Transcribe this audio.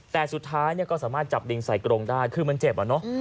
แต่สุดท้ายก็สามารถจับลิงใส่กรงได้คือมันเจ็บอะเนาะ